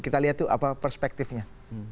kita lihat tuh apa perspektifnya